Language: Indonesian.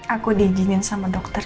aku diizinkan sama dokter